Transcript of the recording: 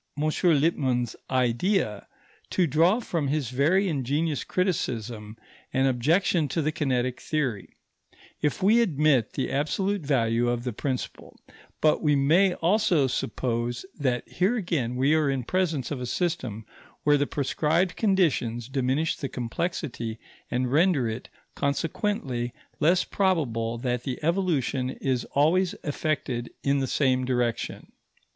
Lippmann's idea to draw from his very ingenious criticism an objection to the kinetic theory, if we admit the absolute value of the principle; but we may also suppose that here again we are in presence of a system where the prescribed conditions diminish the complexity and render it, consequently, less probable that the evolution is always effected in the same direction.